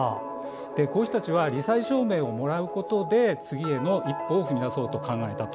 こういう人たちはり災証明をもらうことで次への一歩を踏み出そうと考えたと。